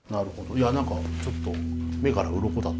いやなんかちょっと目からうろこだった気もする。